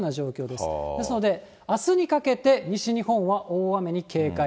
ですので、あすにかけて、西日本は大雨に警戒。